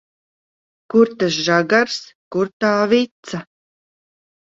Kur tas žagars, kur tā vica?